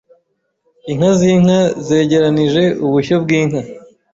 Inka z'inka zegeranije ubushyo bw'inka.